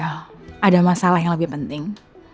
ada masalah yang lebih penting